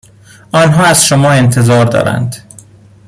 آنها از شما انتظار دارند